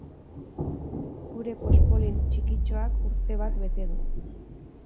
Gure poxpolin txikitxoak urte bat bete du.